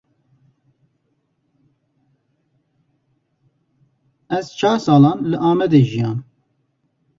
Ez çar salan li Amedê jiyam.